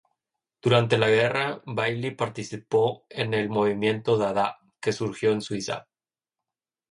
Durante la guerra, Bailly participó en el movimiento Dadá que surgió en Suiza.